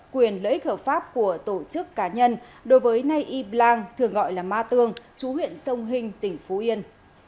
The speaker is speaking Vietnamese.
quyền lợi ích hợp pháp của tổ chức cá nhân đối với nay y blang thường gọi là ma tương chú huyện sông hình tỉnh phú yên